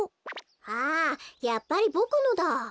あやっぱりボクのだ。